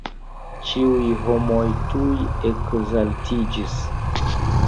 Ĉiuj homoj tuj ekzaltiĝis.